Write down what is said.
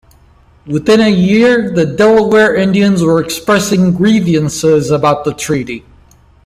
Within a year the Delaware Indians were expressing grievances about the treaty.